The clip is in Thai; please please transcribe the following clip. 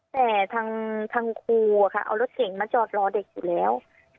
แต่ทางครูเอารถเก่งมาจอดรอเด็กอยู่แล้ว